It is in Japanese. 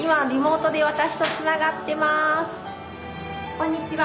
こんにちは。